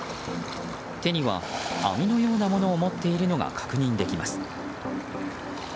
手には網のようなものを持っているのが確認できます。